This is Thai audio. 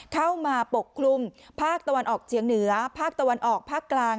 ปกคลุมภาคตะวันออกเฉียงเหนือภาคตะวันออกภาคกลาง